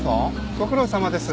ご苦労さまです。